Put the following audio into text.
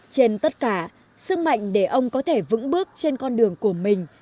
trên tất cả sức mạnh để ông có thể vững bước trên con đường của mình